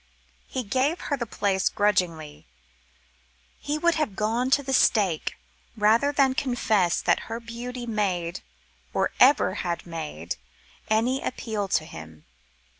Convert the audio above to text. He gave her the place grudgingly; he would have gone to the stake rather than confess that her beauty made, or ever had made, any appeal to him.